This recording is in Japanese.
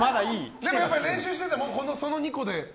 でもやっぱり練習しててもその２個で？